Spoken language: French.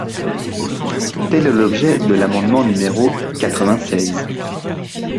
Tel est l’objet de l’amendement numéro quatre-vingt-seize.